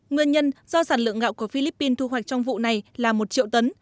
nguyên nhân do sản lượng gạo của philippines thu hoạch trong vụ này là một triệu tấn